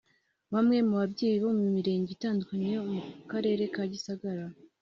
Bamwe mu babyeyi bo mu mirenge itandukanye yo mu karere ka Gisagara